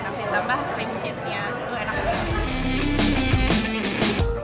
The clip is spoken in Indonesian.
tapi tambah cream cheese nya itu enak banget